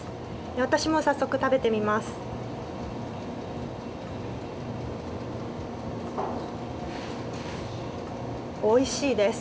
私も早速、食べてみます。